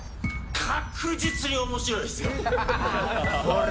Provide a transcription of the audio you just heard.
確実に面白いですよ。